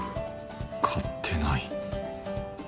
買ってない